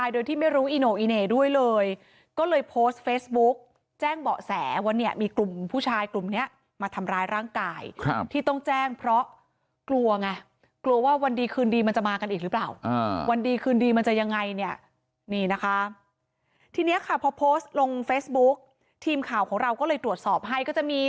โดยที่ไม่รู้อีโน่อีเหน่ด้วยเลยก็เลยโพสต์เฟซบุ๊กแจ้งเบาะแสว่าเนี่ยมีกลุ่มผู้ชายกลุ่มเนี้ยมาทำร้ายร่างกายที่ต้องแจ้งเพราะกลัวไงกลัวว่าวันดีคืนดีมันจะมากันอีกหรือเปล่าวันดีคืนดีมันจะยังไงเนี่ยนี่นะคะทีนี้ค่ะพอโพสต์ลงเฟซบุ๊กทีมข่าวของเราก็เลยตรวจสอบให้ก็จะมี